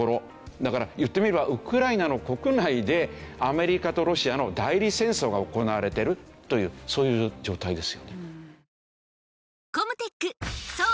だから言ってみればウクライナの国内でアメリカとロシアの代理戦争が行われてるというそういう状態ですよね。